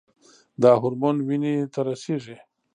دا هورمون وینې ته رسیږي.